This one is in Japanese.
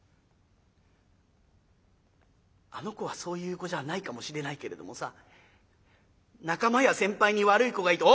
「あの子はそういう子じゃないかもしれないけれどもさ仲間や先輩に悪い子がいて」。